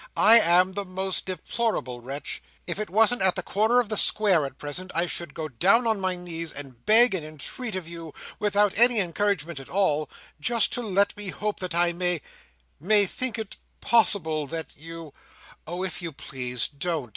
I am the most deplorable wretch. If it wasn't at the corner of the Square at present, I should go down on my knees, and beg and entreat of you, without any encouragement at all, just to let me hope that I may—may think it possible that you—" "Oh, if you please, don't!"